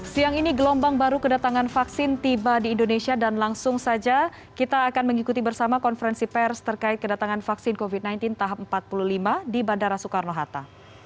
siang ini gelombang baru kedatangan vaksin tiba di indonesia dan langsung saja kita akan mengikuti bersama konferensi pers terkait kedatangan vaksin covid sembilan belas tahap empat puluh lima di bandara soekarno hatta